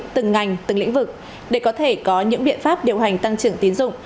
từng ngành từng lĩnh vực để có thể có những biện pháp điều hành tăng trưởng tiến dụng